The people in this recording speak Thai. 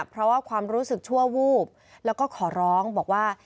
เพราะว่าความรู้สึกชั่ววูบแล้วก็ขอร้องบอกว่า